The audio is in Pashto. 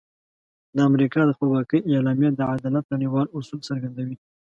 د امریکا د خپلواکۍ اعلامیه د عدالت نړیوال اصول څرګندوي.